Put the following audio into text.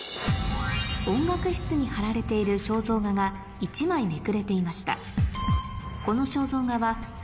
音楽室に貼られている肖像画が１枚めくれていました